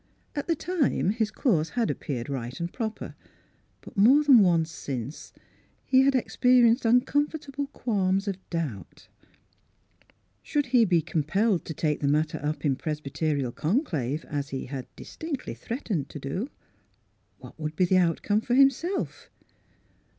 At the time his course had appeared right and proper; but more than once since he had experienced uncomfortable qualms of doubt. Should he be compelled to take the mat ter up in Presbyterial conclave, as he had distinctly threatened to do, what would Miss Philura's Wedding Gown be the outcome for himself?